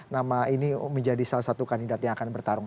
nama ini menjadi salah satu kandidat yang akan bertarung